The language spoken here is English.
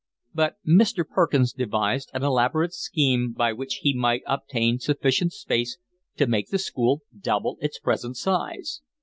But Mr. Perkins devised an elaborate scheme by which he might obtain sufficient space to make the school double its present size.